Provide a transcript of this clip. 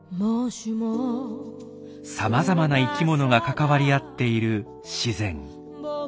さまざまな生きものが関わり合っている自然。